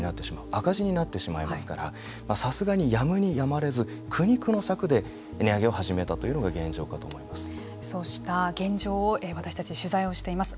赤字になってしまいますからさすがにやむにやまれず苦肉の策で値上げを始めたというのがそうした現状を私たち取材をしています。